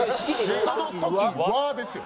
「その時は」ですよ。